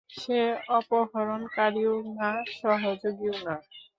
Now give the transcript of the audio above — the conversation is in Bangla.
সে অপহরণকারীও না সহযোগীও না।